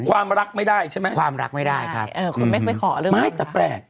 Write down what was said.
ความรักไม่ได้ใช่ไหมครับความรักไม่ได้ครับไม่แต่แปลก